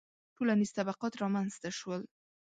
• ټولنیز طبقات رامنځته شول